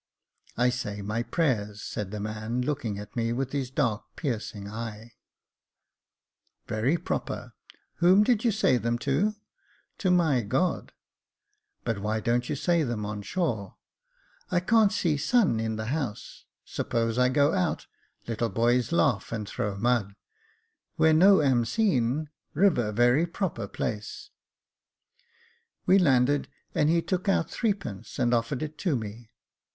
•* I say my prayers," said the man, looking at me with his dark, piercing eye. 294 Jacob Faithful " Very proper ; whom did you say them to ?'*" To my God." " But why don't you say them on shore ?"" Can't see sun in the house ; suppose I go out, little boys laugh and throw mud. Where no am seen, river very proper place." We landed, and he took out three pence, and offered it to me.